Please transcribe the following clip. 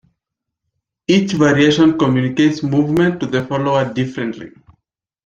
Each variation communicates movement to the follower differently.